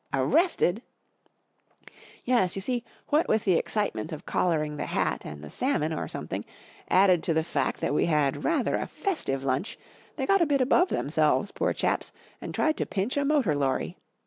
44 Arrested !" 44 Yes. You see, w;hat wnth the excitement of collaring the hat and the salmon or some¬ thing, added to the fact that we had rather a festive lunch, they got a bit above them¬ selves, poor chaps, and tried to pinch a motor lorry.